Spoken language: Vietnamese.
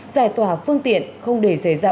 giải tỏa phương tiện không để xảy ra